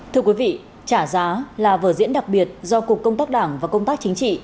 thưa quý vị trả giá là vở diễn đặc biệt do cục công tác đảng và công tác chính trị